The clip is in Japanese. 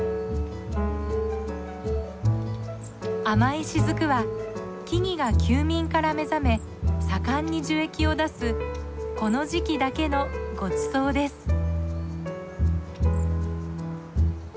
甘い滴は木々が休眠から目覚め盛んに樹液を出すこの時期だけのごちそうです。